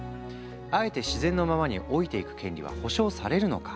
あえて自然のままに老いていく権利は保障されるのか？